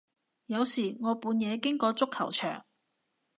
有時我半夜經過足球場